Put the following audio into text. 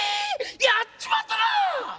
やっちまったな！